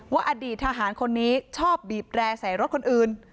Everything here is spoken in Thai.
อดีตทหารคนนี้ชอบบีบแร่ใส่รถคนอื่น